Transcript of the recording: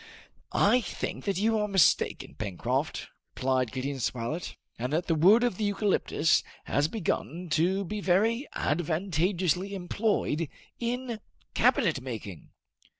"I think that you are mistaken, Pencroft," replied Gideon Spilett, "and that the wood of the eucalyptus has begun to be very advantageously employed in cabinet making."